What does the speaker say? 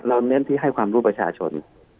เน้นที่ให้ความรู้ประชาชน